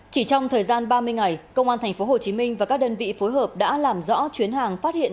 chỉ trong thời gian ba mươi ngày công an tp hcm và các đơn vị phối hợp đã làm rõ chuyến hàng phát hiện